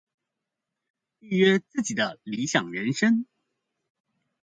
預約自己的理想人生